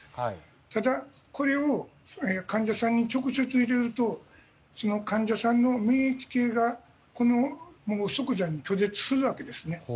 ただ、これを患者さんに直接入れるとその患者さんの免疫系が即座に拒絶するわけですね。